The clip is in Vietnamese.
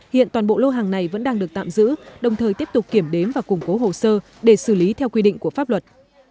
hiện toàn bộ lô hàng này vẫn đang được tạm giữ đồng thời tiếp tục kiểm đếm và củng cố hồ sơ để xử lý theo quy định của pháp luật